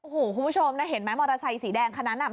คุณผู้ชมนะเห็นไหมมอเตอร์ไซค์สีแดงคนนั้น